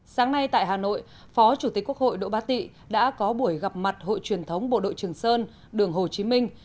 sáng nay tại hà nội phó chủ tịch quốc hội đỗ bá tị đã có buổi gặp mặt hội truyền thống bộ đội trường sơn đường hồ chí minh